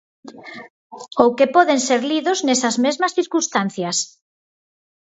Ou que poden ser lidos nesas mesmas circunstancias.